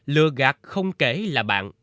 lừa gạt không kể là bạn